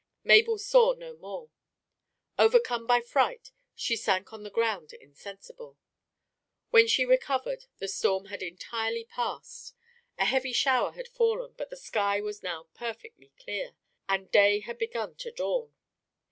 Mabel saw no more. Overcome by fright, she sank on the ground insensible. When she recovered the storm had entirely ceased. A heavy shower had fallen, but the sky was now perfectly clear, and day had begun to dawn.